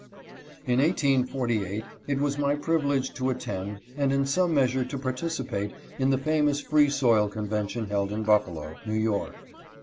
In 1£48 it was my privilege to attend, and in some measure to participate in the famous Free^oil Conven tion held in Buffalo, New York.